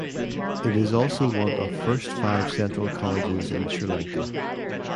It is also one of First five Central Colleges in Sri Lanka.